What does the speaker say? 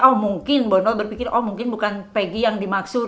oh mungkin bono berpikir oh mungkin bukan pegi yang dimaksud